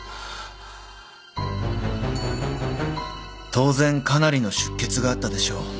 当然かなりの出血があったでしょう。